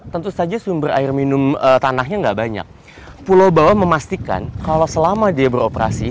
tentu saja sumber air minum tanahnya nggak banyak pulau bawah memastikan kalau selama dia beroperasi